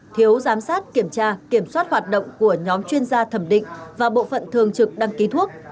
thiếu giám sát kiểm tra kiểm soát hoạt động của nhóm chuyên gia thẩm định và bộ phận thường trực đăng ký thuốc